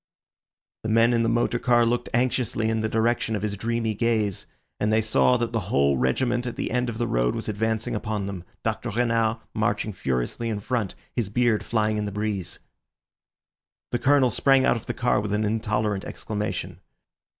The men in the motor car looked anxiously in the direction of his dreamy gaze, and they saw that the whole regiment at the end of the road was advancing upon them, Dr. Renard marching furiously in front, his beard flying in the breeze. The Colonel sprang out of the car with an intolerant exclamation.